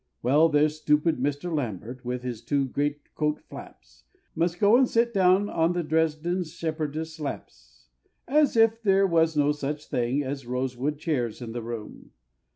Well, there's stupid Mr. Lambert, with his two greatcoat flaps. Must go and sit down on the Dresd'n shepherdesses' laps, As if there was no such things as rosewood chairs in the room!